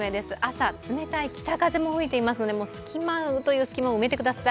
朝、冷たい北風も吹いていますので隙間という隙間を埋めてください。